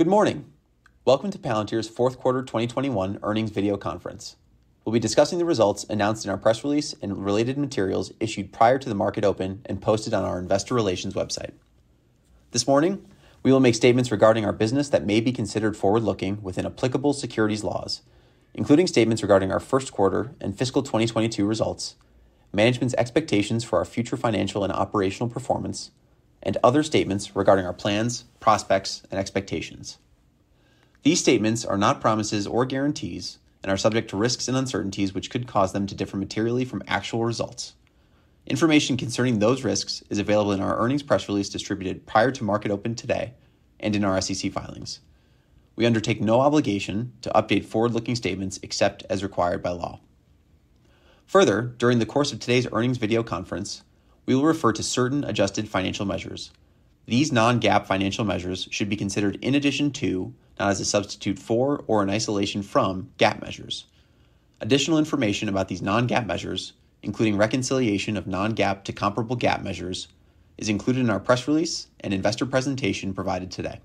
Good morning. Welcome to Palantir's Q4 2021 Earnings Video Conference. We'll be discussing the results announced in our press release and related materials issued prior to the market open and posted on our investor relations website. This morning, we will make statements regarding our business that may be considered forward-looking within applicable securities laws, including statements regarding our first quarter and fiscal 2022 results, management's expectations for our future financial and operational performance, and other statements regarding our plans, prospects, and expectations. These statements are not promises or guarantees and are subject to risks and uncertainties which could cause them to differ materially from actual results. Information concerning those risks is available in our earnings press release distributed prior to market open today and in our SEC filings. We undertake no obligation to update forward-looking statements except as required by law. Further, during the course of today's earnings video conference, we will refer to certain adjusted financial measures. These non-GAAP financial measures should be considered in addition to, not as a substitute for or in isolation from, GAAP measures. Additional information about these non-GAAP measures, including reconciliation of non-GAAP to comparable GAAP measures, is included in our press release and investor presentation provided today.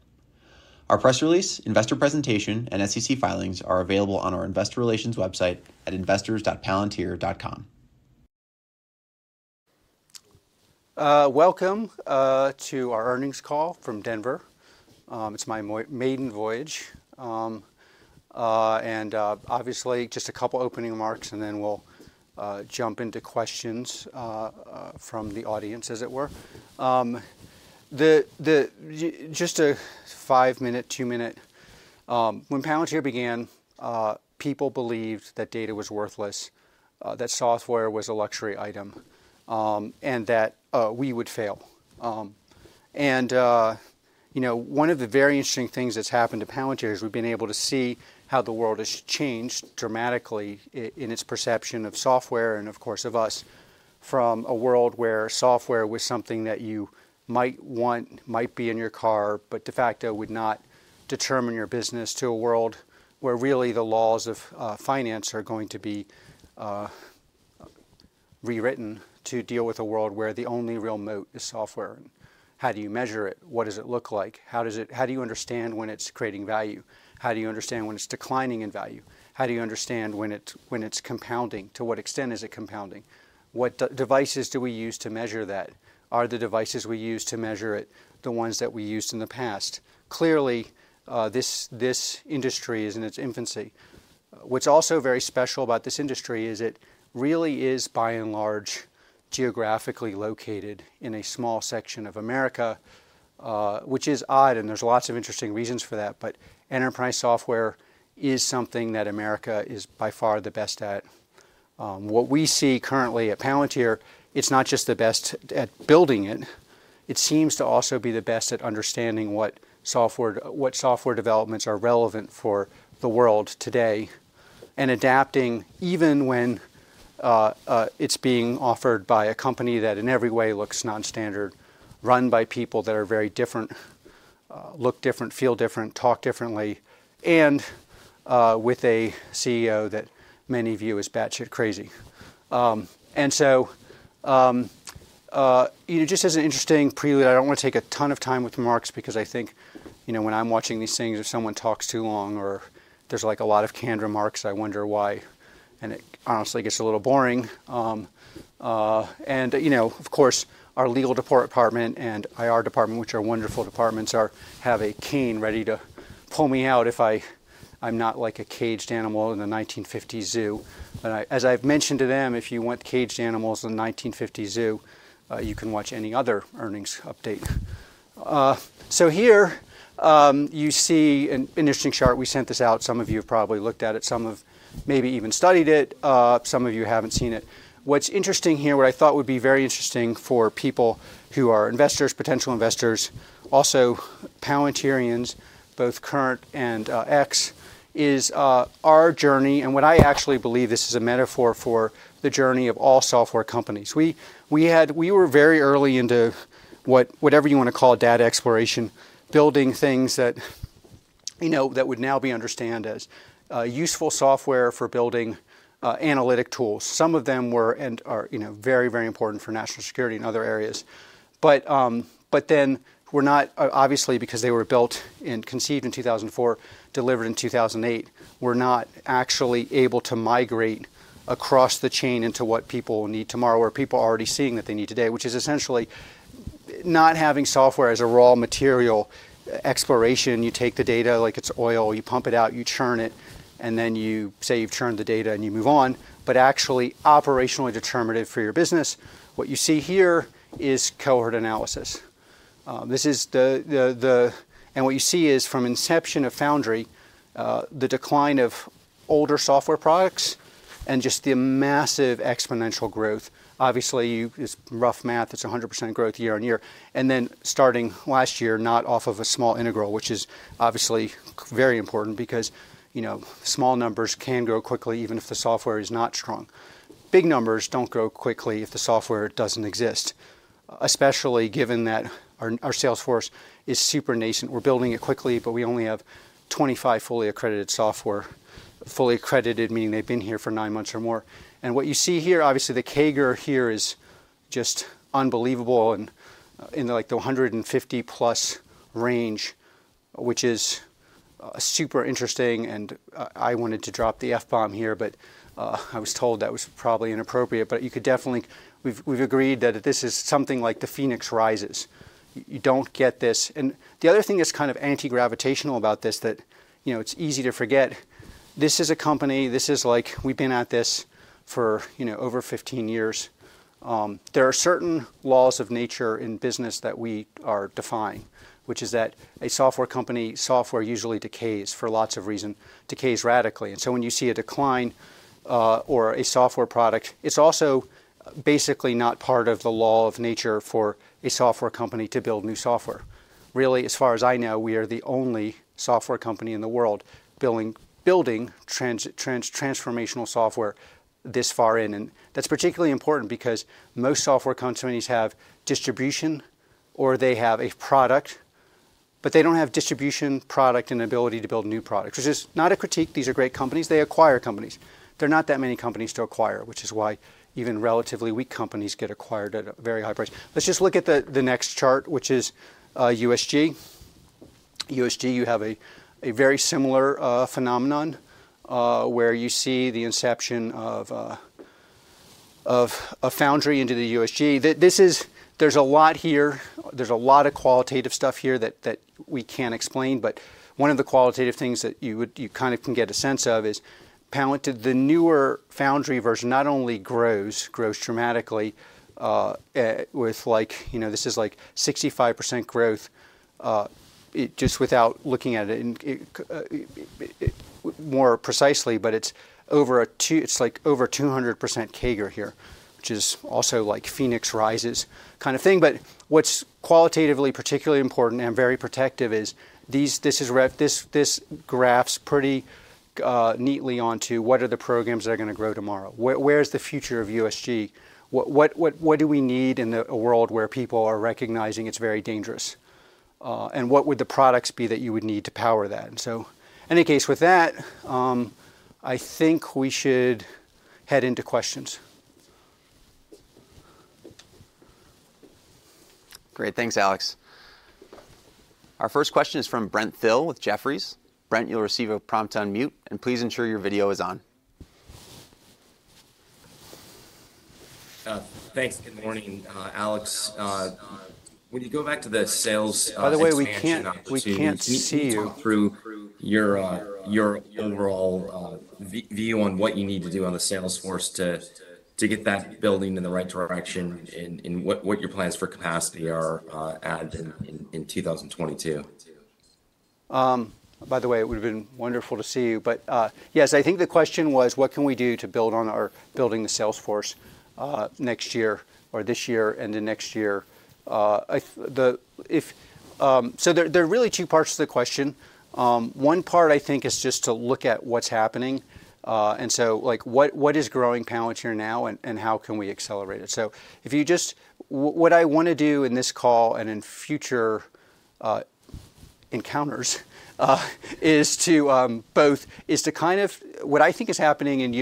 Our press release, investor presentation, and SEC filings are available on our investor relations website at investors.palantir.com. Welcome to our earnings call from Denver. It's my maiden voyage. Obviously just a couple opening remarks, and then we'll jump into questions from the audience, as it were. Just a five-minute, two-minute. When Palantir began, people believed that data was worthless, that software was a luxury item, and that we would fail. You know, one of the very interesting things that's happened to Palantir is we've been able to see how the world has changed dramatically in its perception of software and, of course, of us from a world where software was something that you might want, might be in your car, but de facto would not determine your business, to a world where really the laws of finance are going to be rewritten to deal with a world where the only real moat is software. How do you measure it? What does it look like? How do you understand when it's creating value? How do you understand when it's declining in value? How do you understand when it's compounding? To what extent is it compounding? What devices do we use to measure that? Are the devices we use to measure it the ones that we used in the past? Clearly, this industry is in its infancy. What's also very special about this industry is it really is, by and large, geographically located in a small section of America, which is odd, and there's lots of interesting reasons for that. Enterprise software is something that America is by far the best at. What we see currently at Palantir, it's not just the best at building it seems to also be the best at understanding what software developments are relevant for the world today, and adapting even when it's being offered by a company that in every way looks non-standard, run by people that are very different, look different, feel different, talk differently, and with a CEO that many view as batshit crazy. You know, just as an interesting prelude, I don't wanna take a ton of time with remarks because I think, you know, when I'm watching these things, if someone talks too long or there's, like, a lot of canned remarks, I wonder why, and it honestly gets a little boring. You know, of course, our legal department and IR department, which are wonderful departments, have a cane ready to pull me out if I. I'm not like a caged animal in a 1950 zoo. As I've mentioned to them, if you want caged animals in a 1950 zoo, you can watch any other earnings update. Here, you see an interesting chart. We sent this out. Some of you have probably looked at it, some of you maybe even studied it, some of you haven't seen it. What's interesting here, what I thought would be very interesting for people who are investors, potential investors, also Palantirians, both current and ex, is our journey and what I actually believe this is a metaphor for the journey of all software companies. We were very early into whatever you wanna call it, data exploration, building things that, you know, that would now be understood as useful software for building analytic tools. Some of them were and are, you know, very, very important for national security and other areas. We're not, obviously, because they were built and conceived in 2004, delivered in 2008, we're not actually able to migrate across the chain into what people need tomorrow or people are already seeing that they need today, which is essentially not having software as a raw material exploration. You take the data like it's oil, you pump it out, you churn it, and then you say you've churned the data and you move on, but actually operationally determinative for your business. What you see here is cohort analysis. What you see is from inception of Foundry, the decline of older software products and just the massive exponential growth. Obviously, it's rough math. It's 100% growth year on year. Starting last year, not off of a small base, which is obviously very important because, you know, small numbers can grow quickly even if the software is not strong. Big numbers don't grow quickly if the software doesn't exist, especially given that our sales force is super nascent. We're building it quickly, but we only have 25 fully accredited salespeople. Fully accredited meaning they've been here for nine months or more. What you see here, obviously the CAGR here is just unbelievable and in like the 150+ range, which is super interesting, and I wanted to drop the F-bomb here, but I was told that was probably inappropriate. You could definitely. We've agreed that this is something like the phoenix rises. You don't get this. The other thing that's kind of anti-gravitational about this that, you know, it's easy to forget, this is a company, this is like we've been at this for, you know, over 15 years. There are certain laws of nature in business that we are defying, which is that a software company, software usually decays for lots of reason, decays radically. When you see a decline or a software product, it's also basically not part of the law of nature for a software company to build new software. Really, as far as I know, we are the only software company in the world building transformational software this far in. That's particularly important because most software companies have distribution or they have a product, but they don't have distribution, product, and ability to build new products. Which is not a critique. These are great companies. They acquire companies. There are not that many companies to acquire, which is why even relatively weak companies get acquired at a very high price. Let's just look at the next chart, which is USG. USG, you have a very similar phenomenon where you see the inception of a Foundry into the USG. This is. There's a lot here. There's a lot of qualitative stuff here that we can't explain. One of the qualitative things that you kind of can get a sense of is Palantir, the newer Foundry version, not only grows dramatically with like, you know, this is like 65% growth, it just without looking at it more precisely, but it's over 200% CAGR here, which is also like phoenix rises kind of thing. What's qualitatively particularly important and very protective is this graphs pretty neatly onto what are the programs that are gonna grow tomorrow. Where's the future of USG? What do we need in a world where people are recognizing it's very dangerous? And what would the products be that you would need to power that? In any case, with that, I think we should head into questions. Great. Thanks, Alex. Our first question is from Brent Thill with Jefferies. Brent, you'll receive a prompt to unmute, and please ensure your video is on. Thanks. Good morning, Alex. Would you go back to the sales expansion opportunity- By the way, we can't see you. Can you talk through your overall view on what you need to do on the sales force to get that building in the right direction and what your plans for capacity are in 2022? By the way, it would've been wonderful to see you. Yes, I think the question was what can we do to build on our building the sales force next year or this year and the next year? There are really two parts to the question. One part I think is just to look at what's happening. Like, what is growing Palantir now, and how can we accelerate it? If you just... What I wanna do in this call and in future encounters is to both, is to kind of. What I think is happening at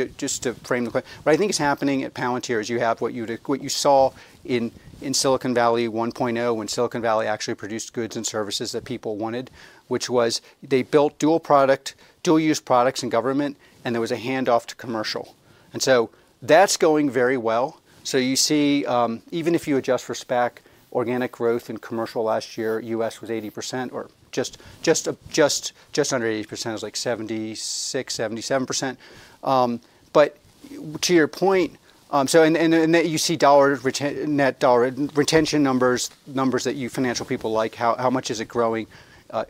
Palantir is you have what you saw in Silicon Valley 1.0 when Silicon Valley actually produced goods and services that people wanted, which was they built dual product, dual use products in government, and there was a hand off to commercial. That's going very well. You see, even if you adjust for SPAC, organic growth in commercial last year, U.S. was 80% or just under 80%. It was like 76, 77%. To your point, and that you see net dollar retention numbers that you financial people like, how much is it growing,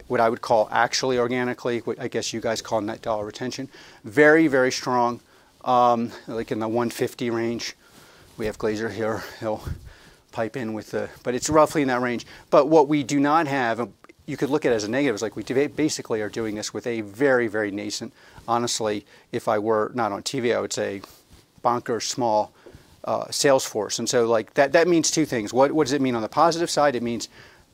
what I would call actually organically, what I guess you guys call net dollar retention, very, very strong, like in the 150 range. We have Glazer here. He'll pipe in with the. It's roughly in that range. What we do not have, you could look at it as a negative, is like we today basically are doing this with a very, very nascent sales force. Honestly, if I were not on TV, I would say bonkers small sales force. Like, that means two things. What does it mean on the positive side? It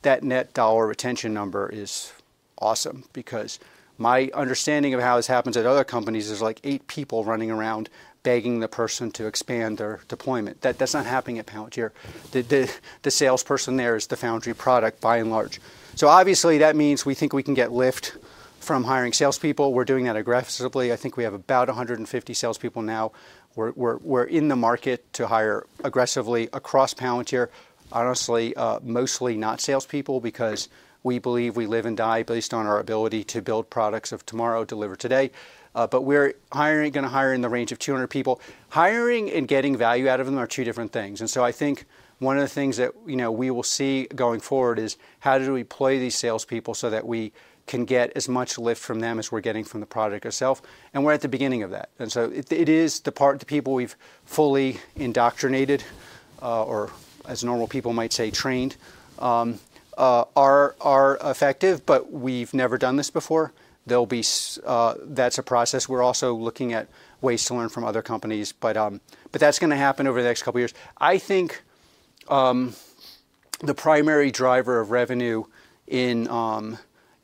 means that net dollar retention number is awesome because my understanding of how this happens at other companies is like eight people running around begging the person to expand their deployment. That's not happening at Palantir. The salesperson there is the Foundry product by and large. Obviously, that means we think we can get lift from hiring salespeople. We're doing that aggressively. I think we have about 150 salespeople now. We're in the market to hire aggressively across Palantir. Honestly, mostly not salespeople because we believe we live and die based on our ability to build products of tomorrow, deliver today. We're hiring, gonna hire in the range of 200 people. Hiring and getting value out of them are two different things. I think one of the things that, you know, we will see going forward is how do we play these salespeople so that we can get as much lift from them as we're getting from the product itself, and we're at the beginning of that. It is the part, the people we've fully indoctrinated, or as normal people might say, trained, are effective, but we've never done this before. That's a process. We're also looking at ways to learn from other companies. But that's gonna happen over the next couple years. I think. The primary driver of revenue in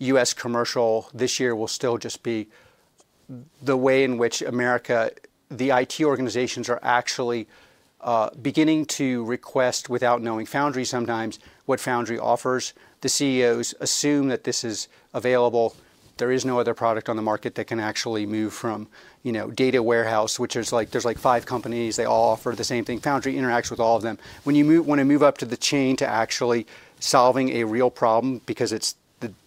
US commercial this year will still just be the way in which the IT organizations are actually beginning to request, without knowing Foundry sometimes, what Foundry offers. The CEOs assume that this is available. There is no other product on the market that can actually move from, you know, data warehouse, which there's like five companies, they all offer the same thing. Foundry interacts with all of them. When you wanna move up the chain to actually solving a real problem because it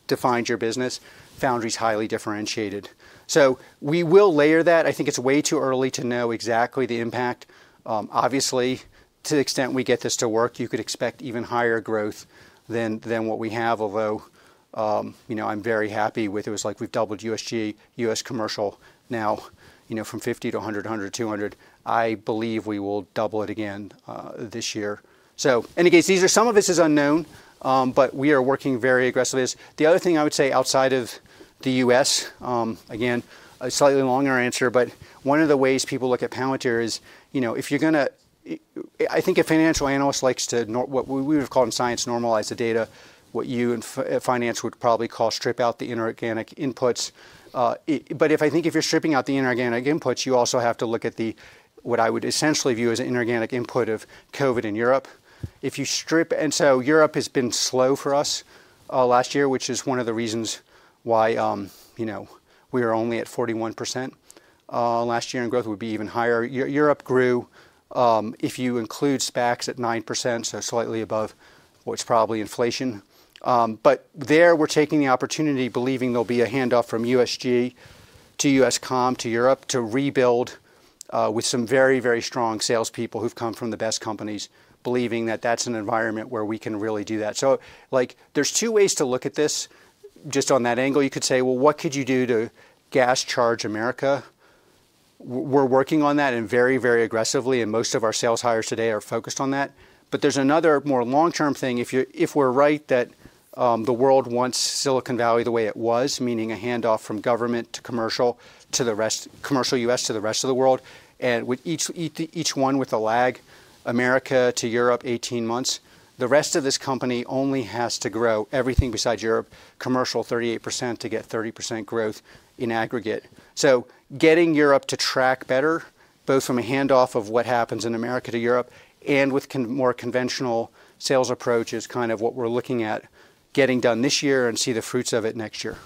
defines your business, Foundry's highly differentiated. We will layer that. I think it's way too early to know exactly the impact. Obviously, to the extent we get this to work, you could expect even higher growth than what we have, although, you know, I'm very happy with it. It was like we've doubled USG, U.S. commercial now, you know, from 50 to 100 to 200. I believe we will double it again, this year. In any case, these are. Some of this is unknown, but we are working very aggressively. The other thing I would say outside of the U.S., again, a slightly longer answer, but one of the ways people look at Palantir is, you know, I think a financial analyst likes to normalize the data, what we would call in science normalize the data, what you in finance would probably call strip out the inorganic inputs. But if I think you're stripping out the inorganic inputs, you also have to look at what I would essentially view as inorganic input of COVID in Europe. If you strip out the inorganic inputs of COVID in Europe has been slow for us last year, which is one of the reasons why, you know, we are only at 41%. Growth last year would be even higher. Europe grew, if you include SPACs at 9%, so slightly above what's probably inflation. There, we're taking the opportunity, believing there'll be a handoff from USG to U.S. commercial to Europe to rebuild with some very, very strong salespeople who've come from the best companies, believing that that's an environment where we can really do that. Like, there's 2 ways to look at this. Just on that angle, you could say, "Well, what could you do to turbocharge America?" We're working on that very, very aggressively, and most of our sales hires today are focused on that. There's another more long-term thing. If we're right that the world wants Silicon Valley the way it was, meaning a handoff from government to commercial to the rest, commercial U.S. to the rest of the world, and with each one with a lag, America to Europe, 18 months. The rest of this company only has to grow everything besides Europe, commercial 38% to get 30% growth in aggregate. Getting Europe to track better, both from a handoff of what happens in America to Europe and with more conventional sales approach is kind of what we're looking at getting done this year and see the fruits of it next year.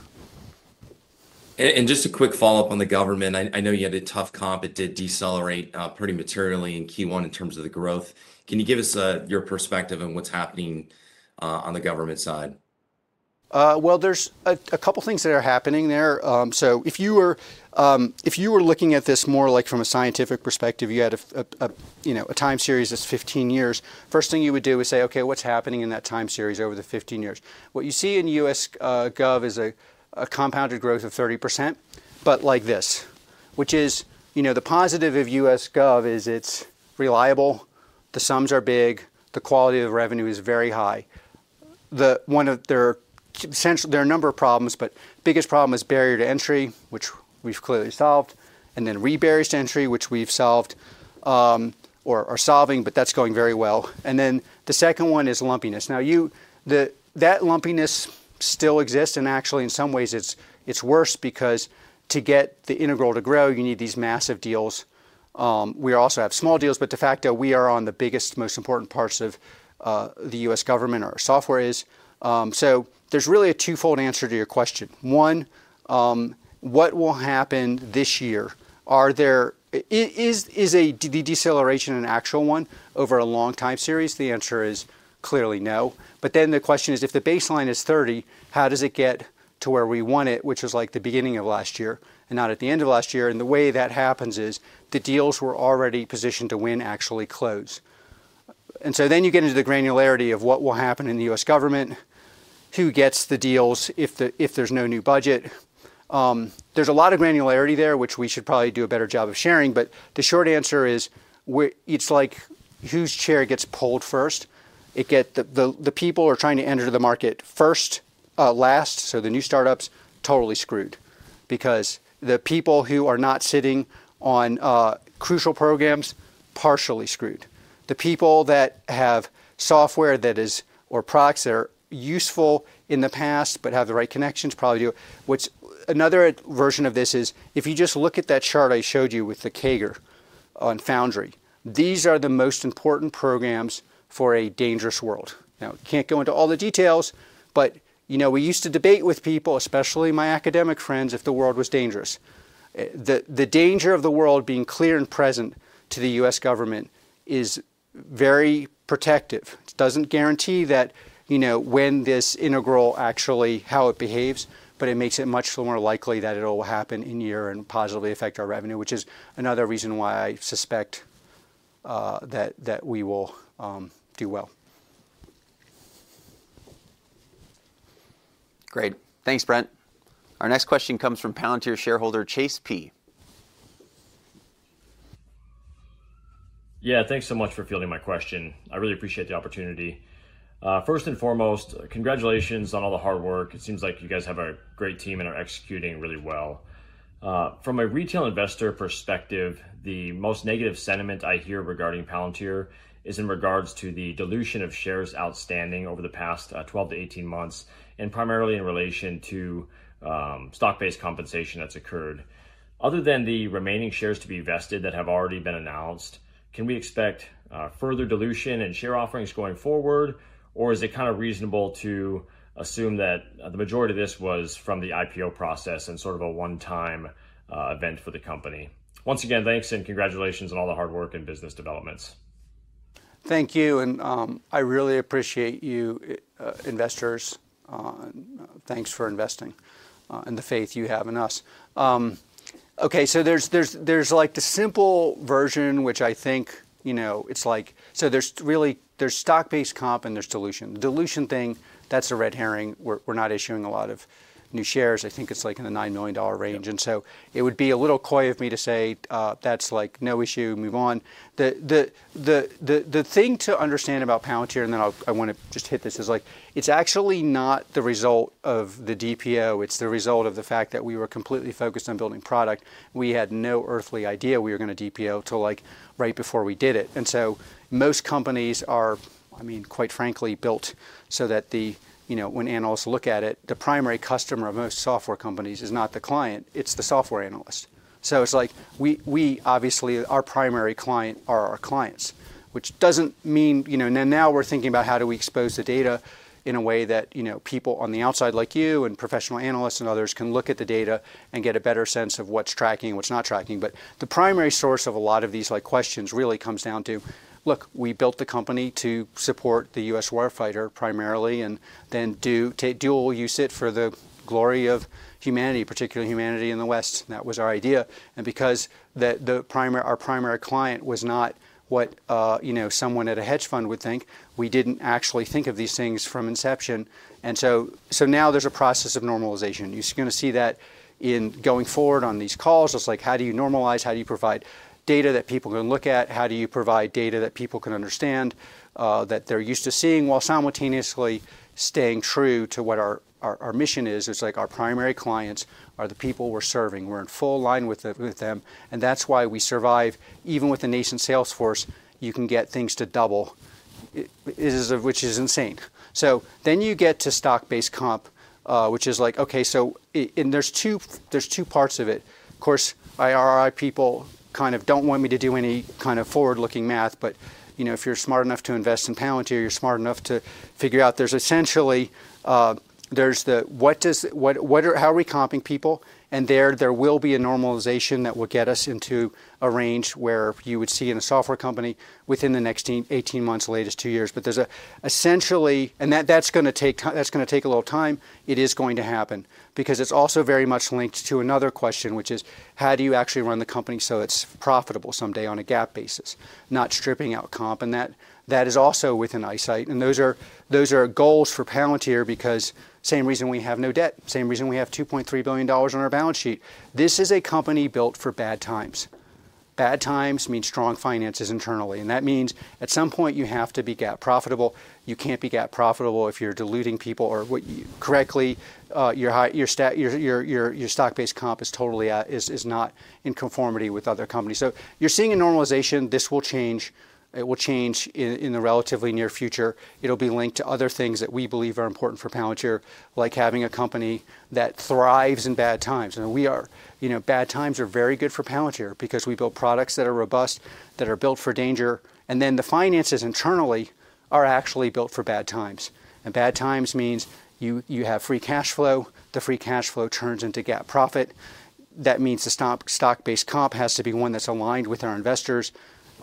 Just a quick follow-up on the government. I know you had a tough comp. It did decelerate pretty materially in Q1 in terms of the growth. Can you give us your perspective on what's happening on the government side? Well, there's a couple things that are happening there. So if you were looking at this more like from a scientific perspective, you had, you know, a time series that's 15 years, first thing you would do is say, "Okay, what's happening in that time series over the 15 years?" What you see in U.S. gov is a compounded growth of 30%, but like this, which is, you know, the positive of U.S. gov is it's reliable, the sums are big, the quality of revenue is very high. There are a number of problems, but biggest problem is barrier to entry, which we've clearly solved, and then re-barrier to entry, which we've solved or are solving, but that's going very well. Then the second one is lumpiness. That lumpiness still exists, and actually, in some ways, it's worse because to get the integral to grow, you need these massive deals. We also have small deals, but de facto, we are on the biggest, most important parts of the U.S. government, or our software is. So there's really a twofold answer to your question. One, what will happen this year? Is a deceleration an actual one over a long time series? The answer is clearly no. The question is, if the baseline is 30, how does it get to where we want it, which was like the beginning of last year and not at the end of last year? The way that happens is the deals we're already positioned to win actually close. You get into the granularity of what will happen in the U.S. government, who gets the deals if there's no new budget. There's a lot of granularity there, which we should probably do a better job of sharing, but the short answer is it's like whose chair gets pulled first. The people who are trying to enter the market first last, so the new startups, totally screwed because the people who are not sitting on crucial programs, partially screwed. The people that have software that is, or products that are useful in the past but have the right connections probably do. Another version of this is if you just look at that chart I showed you with the CAGR on Foundry, these are the most important programs for a dangerous world. Now, can't go into all the details, but, you know, we used to debate with people, especially my academic friends, if the world was dangerous. The danger of the world being clear and present to the U.S. government is very protective. It doesn't guarantee that, you know, how it behaves, but it makes it much more likely that it'll happen in a year and positively affect our revenue, which is another reason why I suspect that we will do well. Great. Thanks, Brent. Our next question comes from Palantir shareholder Chase P. Yeah. Thanks so much for fielding my question. I really appreciate the opportunity. First and foremost, congratulations on all the hard work. It seems like you guys have a great team and are executing really well. From a retail investor perspective, the most negative sentiment I hear regarding Palantir is in regards to the dilution of shares outstanding over the past 12 to 18 months, and primarily in relation to stock-based compensation that's occurred. Other than the remaining shares to be vested that have already been announced, can we expect further dilution and share offerings going forward, or is it kinda reasonable to assume that the majority of this was from the IPO process and sort of a one-time event for the company? Once again, thanks, and congratulations on all the hard work and business developments. Thank you, and I really appreciate you, investors. Thanks for investing, and the faith you have in us. Okay, there's like the simple version, which I think, you know, it's like. There's really stock-based comp and there's dilution. The dilution thing, that's a red herring. We're not issuing a lot of new shares. I think it's like in the $9 million range. Yeah. It would be a little coy of me to say that's like no issue, move on. The thing to understand about Palantir, and then I'll I wanna just hit this, is like it's actually not the result of the DPO. It's the result of the fact that we were completely focused on building product. We had no earthly idea we were gonna DPO till like right before we did it. Most companies are, I mean, quite frankly, built so that you know when analysts look at it, the primary customer of most software companies is not the client, it's the software analyst. It's like we obviously our primary client are our clients, which doesn't mean. You know, now we're thinking about how do we expose the data in a way that, you know, people on the outside like you and professional analysts and others can look at the data and get a better sense of what's tracking and what's not tracking. The primary source of a lot of these, like, questions really comes down to, look, we built the company to support the U.S. warfighter primarily, and then take dual use it for the glory of humanity, particularly humanity in the West. That was our idea. Because the primary client was not what, you know, someone at a hedge fund would think, we didn't actually think of these things from inception. So now there's a process of normalization. You're gonna see that going forward on these calls. It's like, how do you normalize, how do you provide data that people can look at? How do you provide data that people can understand, that they're used to seeing, while simultaneously staying true to what our mission is? It's like our primary clients are the people we're serving. We're in full line with them, and that's why we survive. Even with a nascent sales force, you can get things to double, i.e., which is insane. You get to stock-based comp, which is like, okay, and there's two parts of it. Of course, IR people kind of don't want me to do any kind of forward-looking math, but you know, if you're smart enough to invest in Palantir, you're smart enough to figure out there's essentially there's the what does what are how are we comping people? There will be a normalization that will get us into a range where you would see in a software company within the next 18 months, latest two years. There's essentially that's gonna take that's gonna take a little time. It is going to happen because it's also very much linked to another question, which is how do you actually run the company so it's profitable someday on a GAAP basis, not stripping out comp? That is also within eyesight, and those are goals for Palantir because same reason we have no debt, same reason we have $2.3 billion on our balance sheet. This is a company built for bad times. Bad times mean strong finances internally, and that means at some point you have to be GAAP profitable. You can't be GAAP profitable if you're diluting people or what correctly, your stock-based comp is totally, is not in conformity with other companies. You're seeing a normalization. This will change. It will change in the relatively near future. It'll be linked to other things that we believe are important for Palantir, like having a company that thrives in bad times, and we are. You know, bad times are very good for Palantir because we build products that are robust, that are built for danger, and then the finances internally are actually built for bad times. Bad times means you have free cash flow. The free cash flow turns into GAAP profit. That means the stock-based comp has to be one that's aligned with our investors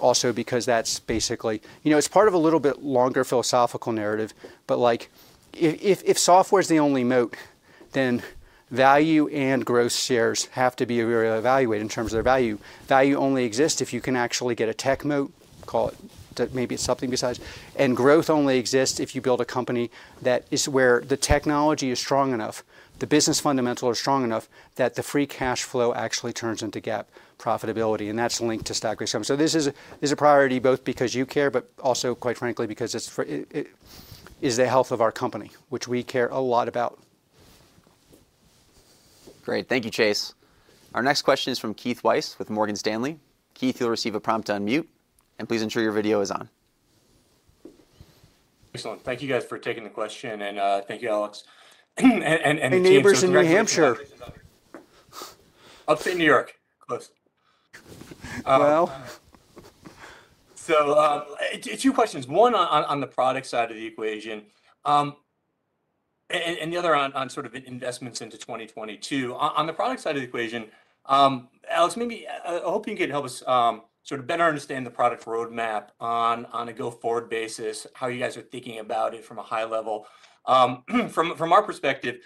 also because that's basically. You know, it's part of a little bit longer philosophical narrative, but, like, if software's the only moat, then value and growth shares have to be evaluated in terms of their value. Value only exists if you can actually get a tech moat, call it, maybe it's something besides. Growth only exists if you build a company that is where the technology is strong enough, the business fundamentals are strong enough that the free cash flow actually turns into GAAP profitability, and that's linked to stock-based comp. This is a priority both because you care, but also, quite frankly, because it is the health of our company, which we care a lot about. Great. Thank you, Chase. Our next question is from Keith Weiss with Morgan Stanley. Keith, you'll receive a prompt to unmute, and please ensure your video is on. Excellent. Thank you guys for taking the question, and thank you Alex and the team. Hey, neighbors in New Hampshire. Upstate New York. Close. Well... Two questions. One on the product side of the equation, and the other on sort of investments into 2022. On the product side of the equation, Alex, maybe I hope you could help us sort of better understand the product roadmap on a go-forward basis, how you guys are thinking about it from a high level. From our perspective,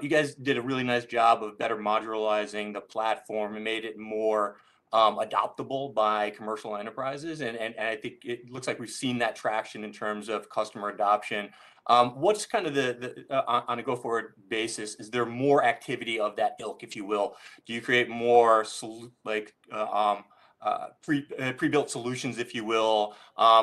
you guys did a really nice job of better modularizing the platform and made it more adoptable by commercial enterprises. I think it looks like we've seen that traction in terms of customer adoption. What's kind of the on a go forward basis, is there more activity of that ilk, if you will? Do you create more solutions, like pre-built solutions, if you will,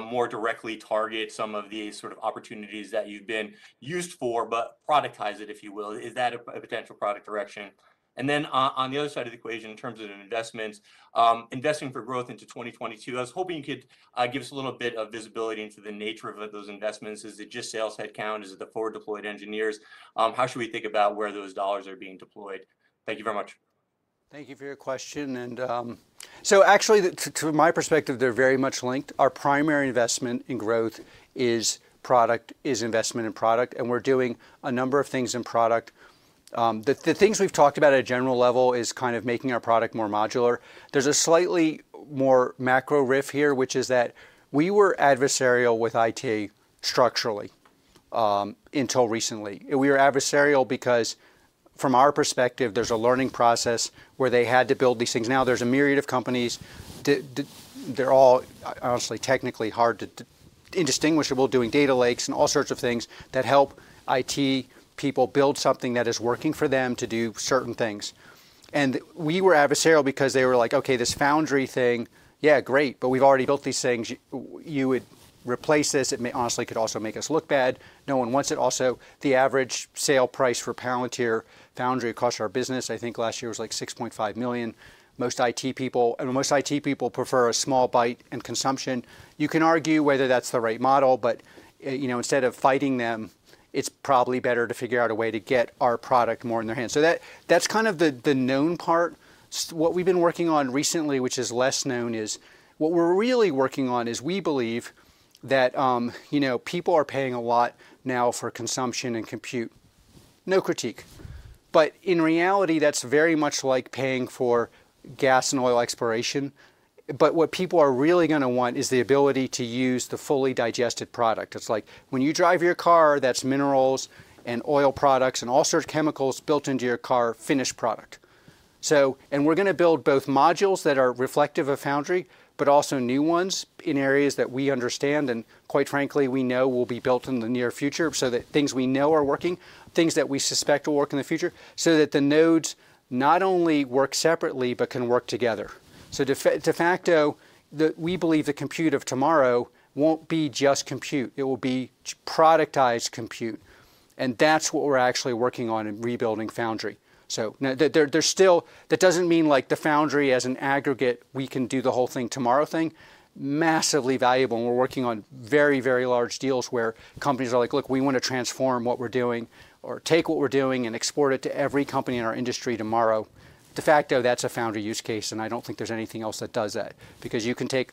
more directly target some of the sort of opportunities that you've been used for, but productize it, if you will? Is that a potential product direction? On the other side of the equation, in terms of investments, investing for growth into 2022, I was hoping you could give us a little bit of visibility into the nature of those investments. Is it just sales headcount? Is it the forward-deployed engineers? How should we think about where those dollars are being deployed? Thank you very much. Thank you for your question. Actually, to my perspective, they're very much linked. Our primary investment in growth is investment in product, and we're doing a number of things in product. The things we've talked about at a general level is kind of making our product more modular. There's a slightly more macro riff here, which is that we were adversarial with IT structurally until recently. We were adversarial because from our perspective, there's a learning process where they had to build these things. Now, there's a myriad of companies. They're all honestly technically hard to distinguish, indistinguishable, doing data lakes and all sorts of things that help IT people build something that is working for them to do certain things. We were adversarial because they were like, "Okay, this Foundry thing, yeah, great, but we've already built these things. You would replace this. It may honestly could also make us look bad. No one wants it. Also, the average sale price for Palantir Foundry across our business, I think last year was like $6.5 million. Most IT people prefer a small bite and consumption. You can argue whether that's the right model, but you know, instead of fighting them, it's probably better to figure out a way to get our product more in their hands. That's kind of the known part. What we've been working on recently, which is less known, is what we're really working on is we believe that, you know, people are paying a lot now for consumption and compute. No critique. In reality, that's very much like paying for gas and oil exploration. What people are really gonna want is the ability to use the fully digested product. It's like when you drive your car, that's minerals and oil products and all sorts of chemicals built into your car, finished product. We're gonna build both modules that are reflective of Foundry, but also new ones in areas that we understand and quite frankly, we know will be built in the near future, so that things we know are working, things that we suspect will work in the future, so that the nodes not only work separately, but can work together. De facto, we believe the compute of tomorrow won't be just compute. It will be productized compute, and that's what we're actually working on in rebuilding Foundry. There's still that doesn't mean like the Foundry as an aggregate, we can do the whole thing tomorrow thing. Massively valuable, and we're working on very, very large deals where companies are like, "Look, we want to transform what we're doing or take what we're doing and export it to every company in our industry tomorrow." De facto, that's a Foundry use case, and I don't think there's anything else that does that because you can take.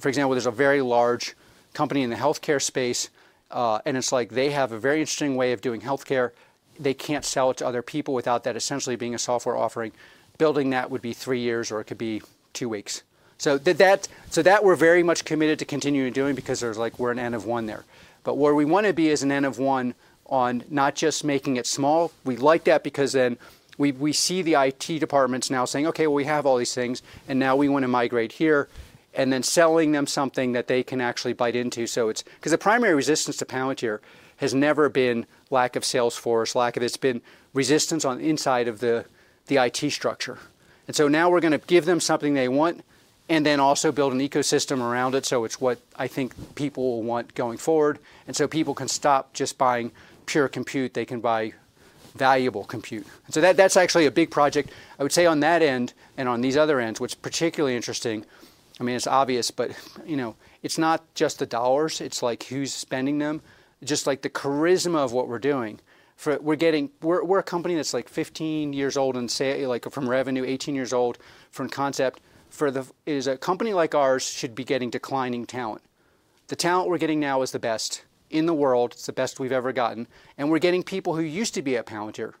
For example, there's a very large company in the healthcare space, and it's like they have a very interesting way of doing healthcare. They can't sell it to other people without that essentially being a software offering. Building that would be three years, or it could be two weeks. That we're very much committed to continuing doing because there's like we're an N of one there. Where we wanna be is an N of one on not just making it small. We like that because then we see the IT departments now saying, "Okay, we have all these things, and now we want to migrate here," and then selling them something that they can actually bite into. It's 'cause the primary resistance to Palantir has never been lack of sales force, lack of. It's been resistance inside of the IT structure. Now we're gonna give them something they want and then also build an ecosystem around it, so it's what I think people will want going forward. People can stop just buying pure compute. They can buy valuable compute. That, that's actually a big project. I would say on that end and on these other ends, what's particularly interesting, I mean, it's obvious, but you know, it's not just the dollars. It's like who's spending them, just like the charisma of what we're doing. We're a company that's like 15 years old and say like from revenue, 18 years old from concept. A company like ours should be getting declining talent. The talent we're getting now is the best in the world. It's the best we've ever gotten, and we're getting people who used to be at Palantir.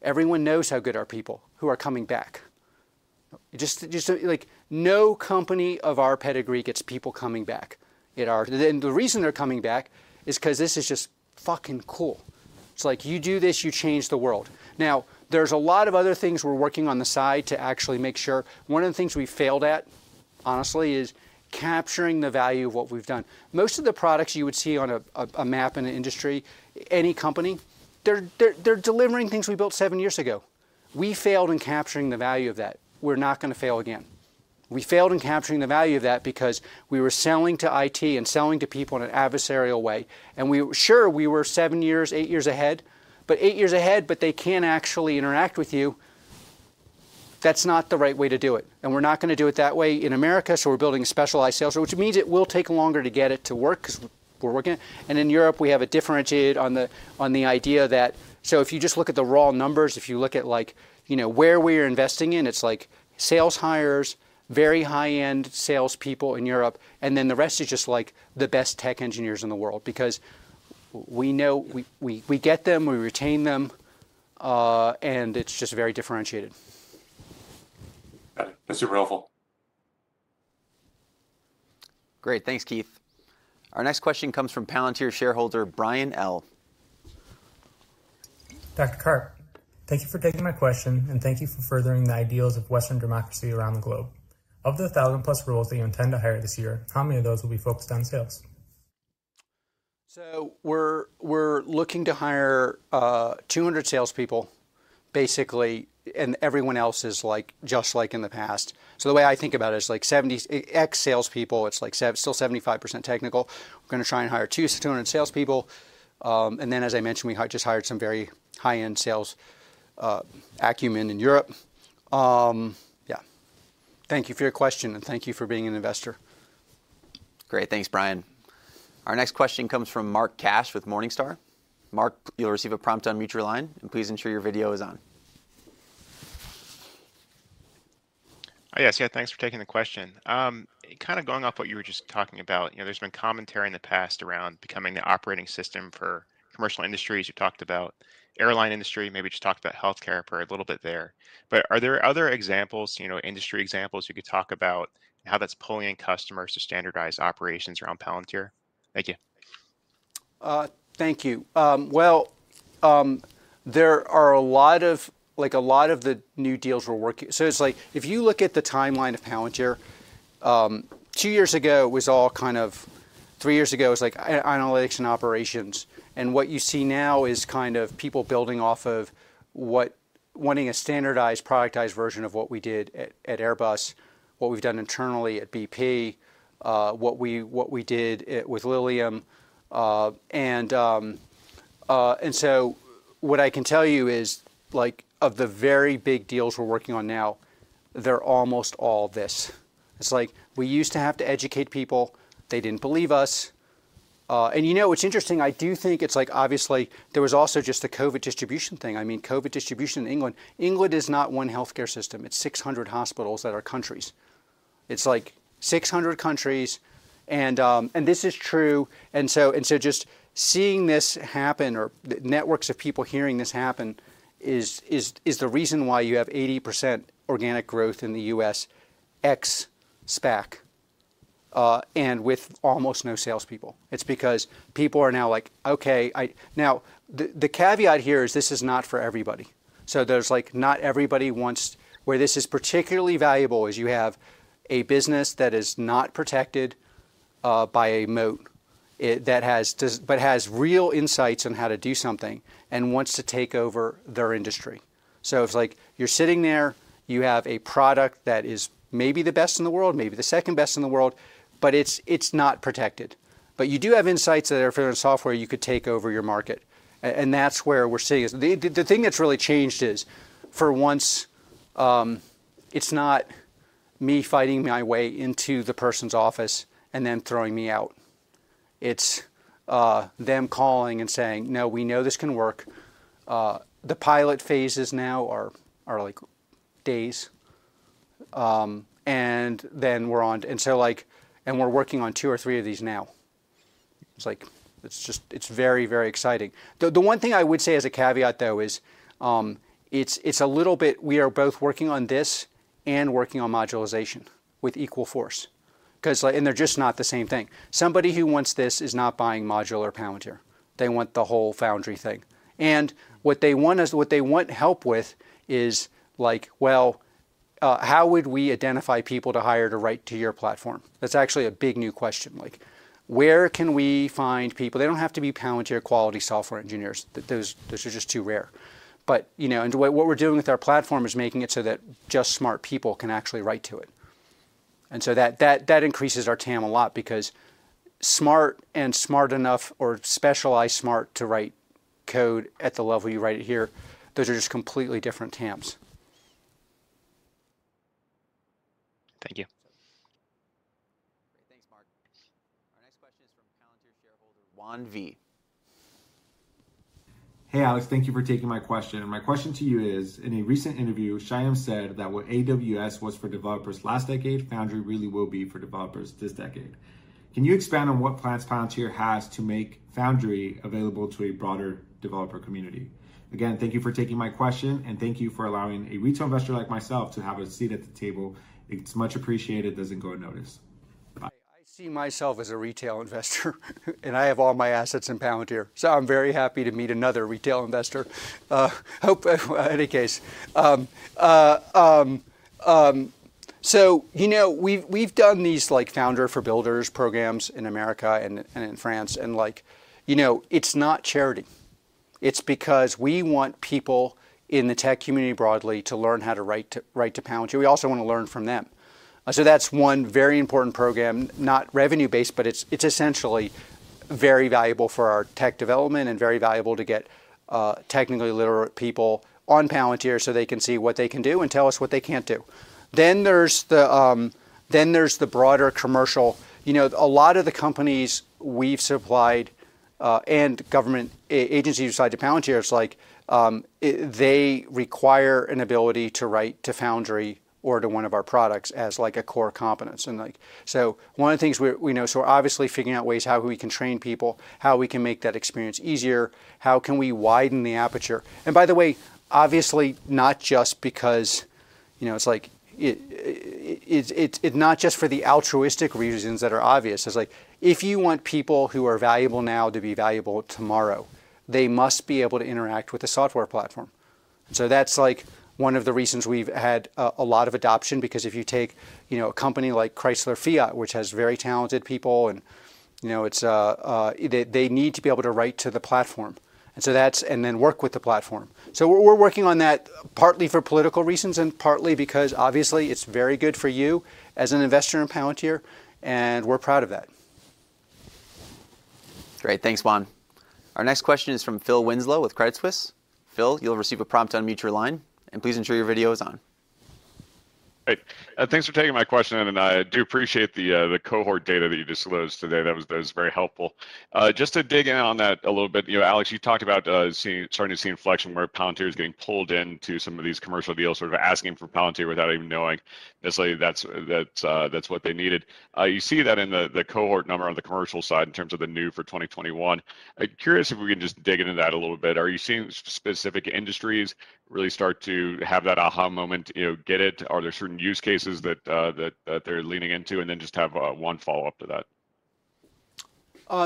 Everyone knows how good our people who are coming back. Just like no company of our pedigree gets people coming back at our level. The reason they're coming back is 'cause this is just fucking cool. It's like you do this, you change the world. Now, there's a lot of other things we're working on the side to actually make sure. One of the things we failed at, honestly, is capturing the value of what we've done. Most of the products you would see on a map in the industry, any company, they're delivering things we built seven years ago. We failed in capturing the value of that. We're not gonna fail again. We failed in capturing the value of that because we were selling to IT and selling to people in an adversarial way. Sure, we were seven years, eight years ahead, but they can't actually interact with you. That's not the right way to do it, and we're not gonna do it that way in America, so we're building specialized sales, which means it will take longer to get it to work 'cause we're working. In Europe, we have it differentiated on the idea that if you just look at the raw numbers, if you look at like, you know, where we're investing in, it's like sales hires, very high-end salespeople in Europe, and then the rest is just like the best tech engineers in the world because we know we get them, we retain them, and it's just very differentiated. Got it. That's super helpful. Great. Thanks, Keith. Our next question comes from Palantir shareholder, Brian L. Dr. Karp, thank you for taking my question, and thank you for furthering the ideals of Western democracy around the globe. Of the 1,000-plus roles that you intend to hire this year, how many of those will be focused on sales? We're looking to hire 200 salespeople basically, and everyone else is like, just like in the past. The way I think about it is like 70X salespeople, it's like still 75% technical. We're gonna try and hire 200 salespeople. And then as I mentioned, we just hired some very high-end sales acumen in Europe. Thank you for your question, and thank you for being an investor. Great. Thanks, Brian. Our next question comes from Mark Cash with Morningstar. Mark, you'll receive a prompt to unmute your line, and please ensure your video is on. Oh, yes. Yeah, thanks for taking the question. Kind of going off what you were just talking about, you know, there's been commentary in the past around becoming the operating system for commercial industries. You've talked about airline industry. Maybe just talked about healthcare for a little bit there. But are there other examples, you know, industry examples you could talk about how that's pulling in customers to standardize operations around Palantir? Thank you. Thank you. Well, there are a lot of like, a lot of the new deals we're working. It's like, if you look at the timeline of Palantir, three years ago was like analytics and operations. What you see now is kind of people building off of what wanting a standardized, productized version of what we did at Airbus, what we've done internally at BP, what we did with Lilium. What I can tell you is, like, of the very big deals we're working on now, they're almost all this. It's like we used to have to educate people. They didn't believe us. You know, what's interesting, I do think it's like, obviously, there was also just the COVID distribution thing. I mean, COVID distribution in England. England is not one healthcare system. It's 600 hospitals that are countries. It's like 600 countries and this is true. So just seeing this happen or the networks of people hearing this happen is the reason why you have 80% organic growth in the U.S., ex SPAC, and with almost no salespeople. It's because people are now like, "Okay." Now, the caveat here is this is not for everybody. So there's like, not everybody wants. Where this is particularly valuable is you have a business that is not protected by a moat but has real insights on how to do something and wants to take over their industry. It's like you're sitting there, you have a product that is maybe the best in the world, maybe the second best in the world, but it's not protected. You do have insights that are for your software, you could take over your market. That's where we're seeing this. The thing that's really changed is for once, it's not me fighting my way into the person's office and them throwing me out. It's them calling and saying, "No, we know this can work." The pilot phases now are like days, and then we're on to. Like, and we're working on two or three of these now. It's like, it's just, it's very, very exciting. The one thing I would say as a caveat, though, is it's a little bit we are both working on this and working on modularization with equal force 'cause, like, they're just not the same thing. Somebody who wants this is not buying modular Palantir. They want the whole Foundry thing. What they want is what they want help with is, like, well, how would we identify people to hire to write to your platform? That's actually a big new question. Like, where can we find people? They don't have to be Palantir-quality software engineers. Those are just too rare. You know, what we're doing with our platform is making it so that just smart people can actually write to it. That increases our TAM a lot because smart and smart enough or specialized smart to write code at the level you write it here, those are just completely different TAMs. Thank you. Great. Thanks, Mark. Our next question is from Palantir shareholder, Juan V. Hey, Alex, thank you for taking my question. My question to you is, in a recent interview, Shyam said that what AWS was for developers last decade, Foundry really will be for developers this decade. Can you expand on what plans Palantir has to make Foundry available to a broader developer community? Again, thank you for taking my question, and thank you for allowing a retail investor like myself to have a seat at the table. It's much appreciated. Doesn't go unnoticed. Bye. I see myself as a retail investor and I have all my assets in Palantir, so I'm very happy to meet another retail investor. In any case, you know, we've done these like Foundry for Builders programs in America and in France, like, you know, it's not charity. It's because we want people in the tech community broadly to learn how to write to Palantir. We also wanna learn from them. That's one very important program, not revenue-based, but it's essentially very valuable for our tech development and very valuable to get technically literate people on Palantir so they can see what they can do and tell us what they can't do. There's the broader commercial. You know, a lot of the companies we've supplied and government agencies aside to Palantir, it's like they require an ability to write to Foundry or to one of our products as like a core competence. Like, one of the things we're obviously figuring out ways how we can train people, how we can make that experience easier, how can we widen the aperture. By the way, obviously, not just because, you know, it's like it's not just for the altruistic reasons that are obvious. It's like, if you want people who are valuable now to be valuable tomorrow, they must be able to interact with the software platform. So that's like one of the reasons we've had a lot of adoption, because if you take, you know, a company like Fiat Chrysler, which has very talented people and, you know, they need to be able to write to the platform and then work with the platform. We're working on that partly for political reasons and partly because obviously it's very good for you as an investor in Palantir, and we're proud of that. Great. Thanks, Juan. Our next question is from Phil Winslow with Credit Suisse. Phil, you'll receive a prompt to unmute your line, and please ensure your video is on. Hey. Thanks for taking my question, and I do appreciate the cohort data that you disclosed today. That was very helpful. Just to dig in on that a little bit, you know, Alex, you talked about starting to see inflection where Palantir is getting pulled into some of these commercial deals, sort of asking for Palantir without even knowing necessarily that's what they needed. You see that in the cohort number on the commercial side in terms of the new for 2021. Curious if we can just dig into that a little bit. Are you seeing specific industries really start to have that aha moment, you know, get it? Are there certain use cases that they're leaning into? Just have one follow-up to that.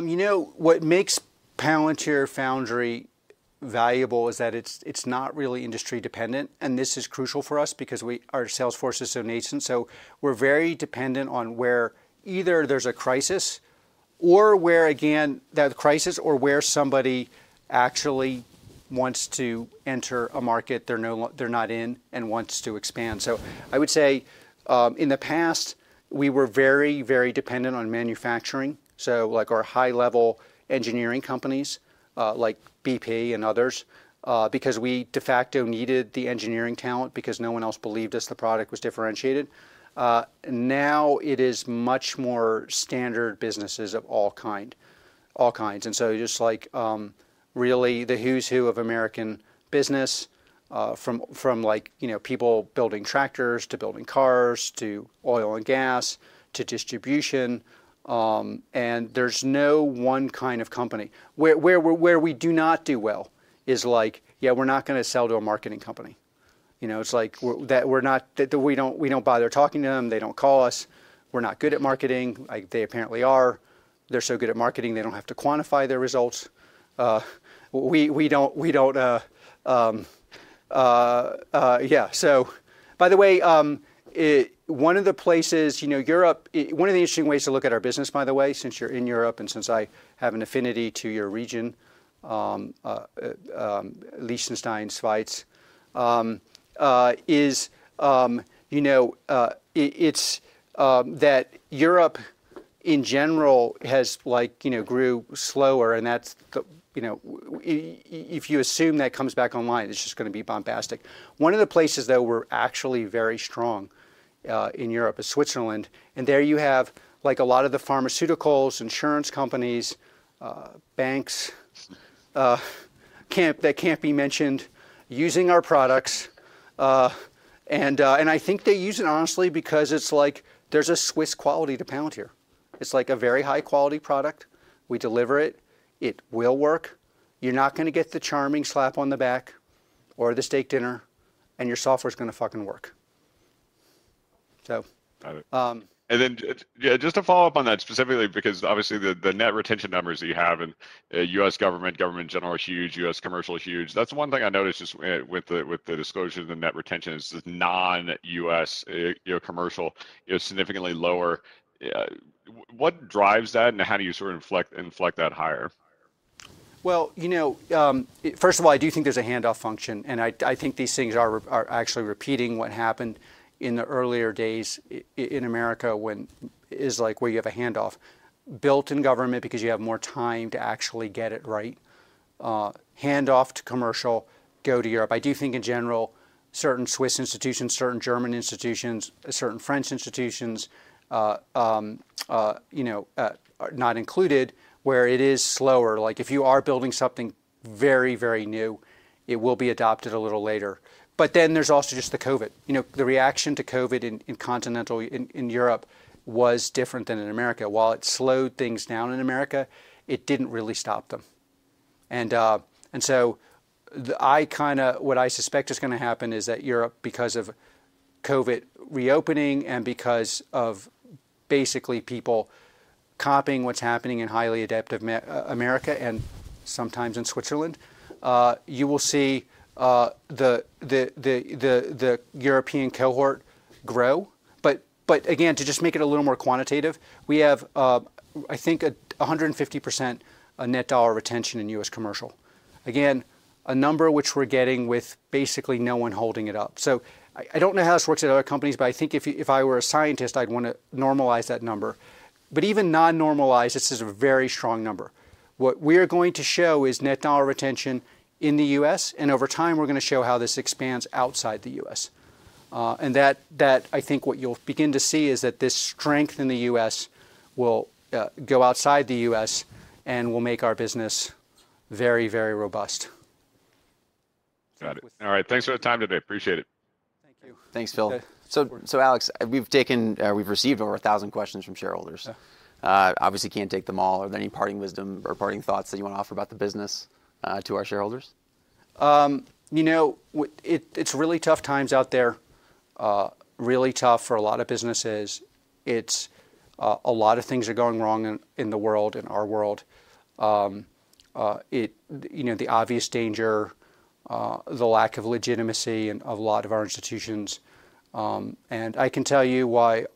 You know, what makes Palantir Foundry valuable is that it's not really industry dependent, and this is crucial for us because our sales force is so nascent. We're very dependent on where either there's a crisis or where, again, that crisis or where somebody actually wants to enter a market they're not in and wants to expand. I would say, in the past, we were very dependent on manufacturing, so like our high-level engineering companies, like BP and others, because we de facto needed the engineering talent because no one else believed us the product was differentiated. Now it is much more standard businesses of all kinds. Just like really the who's who of American business, from like you know people building tractors to building cars to oil and gas to distribution, and there's no one kind of company. Where we do not do well is like yeah we're not gonna sell to a marketing company. You know it's like we don't bother talking to them. They don't call us. We're not good at marketing like they apparently are. They're so good at marketing they don't have to quantify their results. We don't. One of the interesting ways to look at our business, by the way, since you're in Europe and since I have an affinity to your region, Liechtenstein, Schweiz, is, you know, it's that Europe in general has like, you know, grew slower and that's, you know. If you assume that comes back online, it's just gonna be bombastic. One of the places that we're actually very strong in Europe is Switzerland, and there you have like a lot of the pharmaceuticals, insurance companies, banks, clients that can't be mentioned using our products. And I think they use it honestly because it's like there's a Swiss quality to Palantir. It's like a very high-quality product. We deliver it. It will work. You're not gonna get the charming slap on the back or the steak dinner, and your software's gonna fucking work. Got it. Um- Just to follow up on that specifically, because obviously the net retention numbers that you have in U.S. government general is huge, U.S. commercial is huge. That's one thing I noticed just with the disclosure of the net retention is the non-U.S., you know, commercial is significantly lower. What drives that, and how do you sort of inflect that higher? Well, you know, first of all, I do think there's a handoff function, and I think these things are actually repeating what happened in the earlier days in America when it's like where you have a handoff built in government because you have more time to actually get it right. Handoff to commercial, go to Europe. I do think in general, certain Swiss institutions, certain German institutions, certain French institutions, you know, are not included where it is slower. Like if you are building something very, very new, it will be adopted a little later. But then there's also just the COVID. You know, the reaction to COVID in continental Europe was different than in America. While it slowed things down in America, it didn't really stop them. What I suspect is gonna happen is that Europe, because of COVID reopening and because of basically people copying what's happening in highly adaptive America and sometimes in Switzerland, you will see the European cohort grow. Again, to just make it a little more quantitative, we have, I think 150%, net dollar retention in U.S. commercial. Again, a number which we're getting with basically no one holding it up. I don't know how this works at other companies, but I think if I were a scientist, I'd wanna normalize that number. Even non-normalized, this is a very strong number. What we're going to show is net dollar retention in the U.S., and over time, we're gonna show how this expands outside the U.S. That I think what you'll begin to see is that this strength in the U.S. will go outside the U.S. and will make our business very, very robust. Got it. All right. Thanks for the time today. Appreciate it. Thank you. Thanks, Phil. Alex, we've received over 1,000 questions from shareholders. Yeah. Obviously can't take them all. Are there any parting wisdom or parting thoughts that you wanna offer about the business, to our shareholders? You know, it's really tough times out there, really tough for a lot of businesses. It's a lot of things are going wrong in the world, in our world. You know, the obvious danger, the lack of legitimacy in of a lot of our institutions. I can tell you why.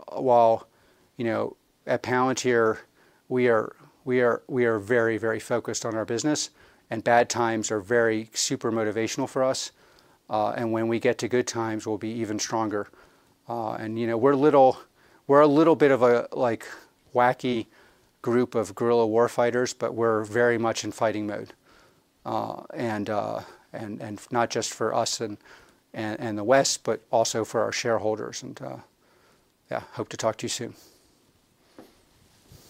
You know, at Palantir we are very focused on our business, and bad times are very super motivational for us. When we get to good times, we'll be even stronger. You know, we're a little bit of a like wacky group of guerrilla war fighters, but we're very much in fighting mode. Not just for us and the West, but also for our shareholders. Yeah, hope to talk to you soon.